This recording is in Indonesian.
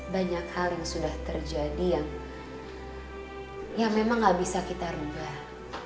banyak hal yang sudah terjadi yang ya memang gak bisa kita ubah